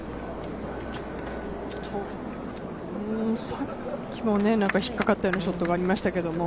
さっきも引っ掛かったようなショットがありましたけれども。